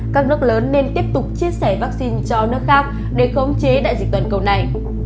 các nước lớn nên tiếp tục chia sẻ vaccine cho nước khác để khống chế đại dịch toàn cầu này